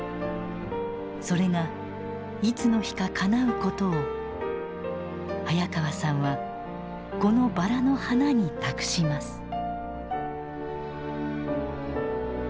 それがいつの日かかなうことを早川さんはこのバラの花に託します。